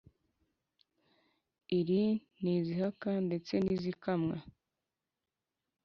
Iri n' izihaka ndetse n' izikamwa